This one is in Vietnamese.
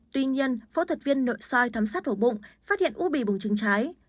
tuy nhiên phẫu thuật viên nội soi thám sát hổ bụng phát hiện u bì bùng trứng trái